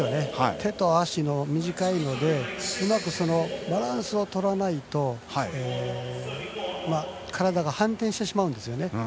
手と足が短いのでうまくバランスをとらないと体が反転してしまうんですよね。